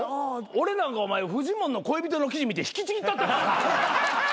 俺なんかフジモンの恋人の記事見て引きちぎったった。